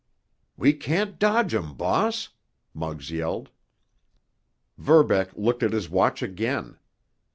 "We can't dodge 'em, boss!" Muggs yelled. Verbeck looked at his watch again.